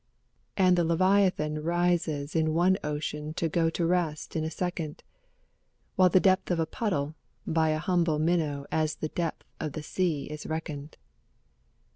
And the leviathan rises in one ocean to go to rest in a second, While the depth of a puddle by a humble minnow as the depth of the sea is reckoned.